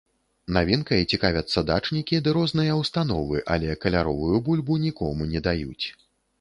Навінкай цікавяцца дачнікі ды розныя ўстановы, але каляровую бульбу нікому не даюць.